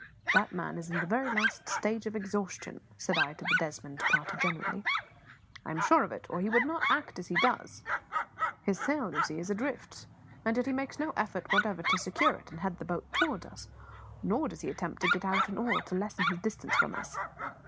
"That man is in the very last stage of exhaustion," said I to the Desmond party generally; "I am sure of it, or he would not act as he does. His sail, you see, is all adrift; yet he makes no effort whatever to secure it and head the boat toward us, nor does he attempt to get out an oar to lessen his distance from us.